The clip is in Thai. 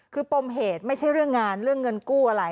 คือปมเหตุไม่ใช่เรื่องงานเรื่องเงินกู้อะไร